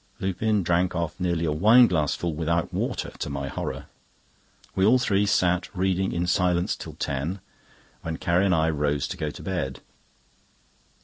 Lupin drank off nearly a wineglassful without water, to my horror. We all three sat reading in silence till ten, when Carrie and I rose to go to bed.